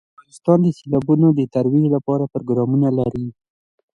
افغانستان د سیلابونه د ترویج لپاره پروګرامونه لري.